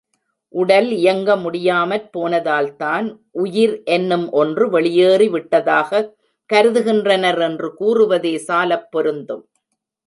உடல் இயங்க முடியாமற் போனதால்தான், உயிர் என்னும் ஒன்று வெளியேறி விட்டதாகக் கருதுகின்றனர் என்று கூறுவதே சாலப் பொருந்தும்.